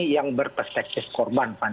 yang berperspektif korban